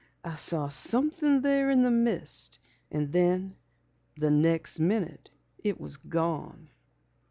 I saw something there in the mist and then the next minute it was gone."